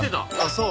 そう。